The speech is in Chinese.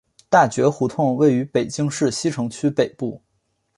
大觉胡同位于北京市西城区北部。